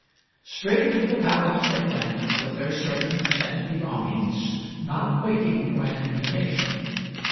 Straight to the palace they went, with their serv ants and belongings, not waiting for an invitation.